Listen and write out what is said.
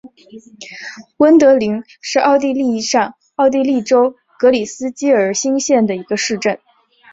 温德灵是奥地利上奥地利州格里斯基尔兴县的一个市镇。